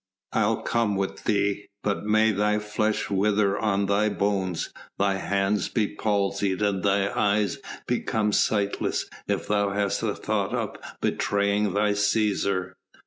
"I'll come with thee, but may thy flesh wither on thy bones, thy hands be palsied and thine eyes become sightless if thou hast a thought of betraying thy Cæsar."